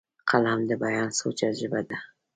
قلم د بیان سوچه ژبه ده